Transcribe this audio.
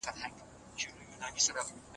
ایا ته به کله خپل لمسیان بیا په غېږ کې ونیسې؟